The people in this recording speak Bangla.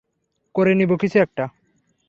করে নিব কিছু একটা।